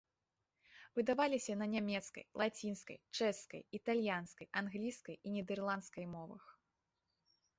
Выдаваліся на нямецкай, лацінскай, чэшскай, італьянскай, англійскай і нідэрландскай мовах.